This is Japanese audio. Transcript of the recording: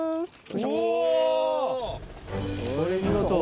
これ見事。